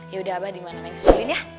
yaudah abah dimana naik disuruhin ya